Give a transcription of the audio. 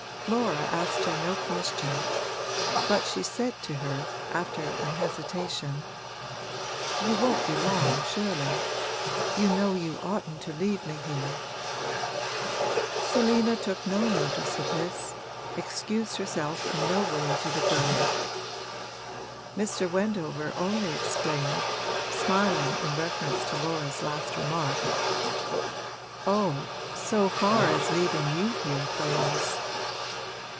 Laura asked her no question, but she said to her, after an hesitation: 'You won't be long, surely. You know you oughtn't to leave me here.' Selina took no notice of this excused herself in no way to the girl. Mr. Wendover only exclaimed, smiling in reference to Laura's last remark: 'Oh, so far as leaving you here goes